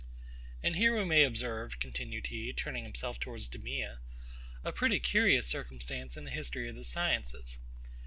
And here we may observe, continued he, turning himself towards DEMEA, a pretty curious circumstance in the history of the sciences.